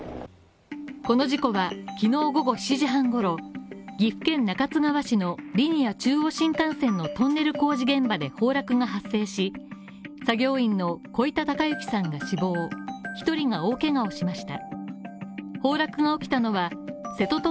この事故がきのう午後７時半ごろ、岐阜県中津川市のリニア中央新幹線のトンネル工事現場で崩落が発生し、作業員の小板孝幸さんが死亡１人が大けがをしました。